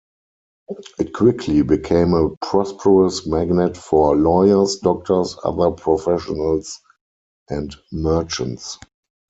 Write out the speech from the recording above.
It quickly became a prosperous magnet for lawyers, doctors, other professionals, and merchants.